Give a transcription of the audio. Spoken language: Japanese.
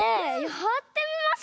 やってみましょう。